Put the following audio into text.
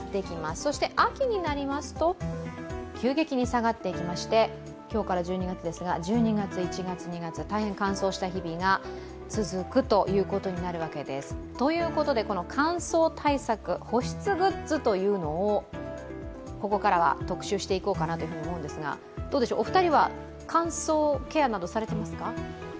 そして秋になりますと急激に下がってまいりまして、今日から１２月ですが、１２月、１月、２月大変乾燥した日々が続くということになるわけです。ということで乾燥対策、保湿グッズをここからは特集していこうかなと思うんですが、お二人は乾燥ケアなどされてますか？